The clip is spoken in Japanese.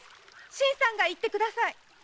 新さんが言ってください。